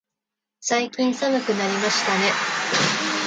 最近寒くなりましたね。